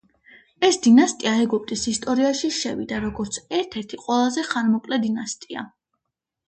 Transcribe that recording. ეს დინასტია ეგვიპტის ისტორიაში შევიდა როგორც ერთ-ერთი ყველაზე ხანმოკლე დინასტია.